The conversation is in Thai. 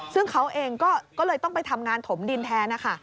ซึ่งเขาเองก็เลยต้องไปทำงานถมดินแทนนะคะ